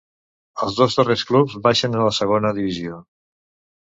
Els dos darrers clubs baixen a la segona divisió.